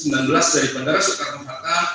dari bandara soekarno harta